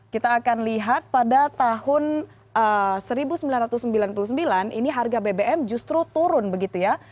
kita akan lihat pada tahun seribu sembilan ratus sembilan puluh sembilan ini harga bbm justru turun begitu ya